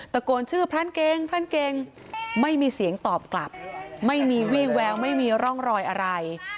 ตะโกนชื่อพรานเก่งพรานเก่งไม่มีเสียงตอบกลับไม่มีวี่แววไม่มีร่องรอยอะไร